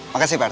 makasih pak rt